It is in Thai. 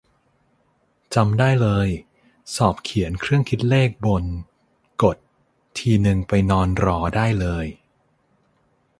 จำได้เลย สอบเขียนเครื่องคิดเลขบน กด ทีนึงไปนอนรอได้เลย